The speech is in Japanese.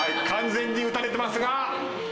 完全に撃たれてますが。